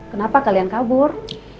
kenapa kalian kabur